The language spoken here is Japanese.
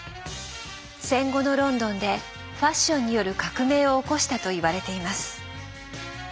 戦後のロンドンでファッションによる革命を起こしたといわれています。